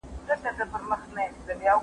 ډېری خلک د انټرنټ له امله نوي کارونه کوي.